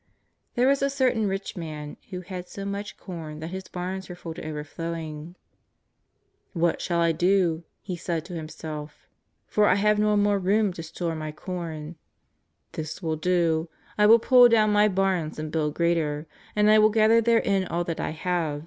There was a certain rich man who had so much corn that his barns were full to overflowing. " What shall I JESUS OF JS AZAKETII. 221 do ?" he said to himself, '^ for I have no more room to store my corn. This will I do. I will pull down my harns and build greater, and I will gather therein all that I have.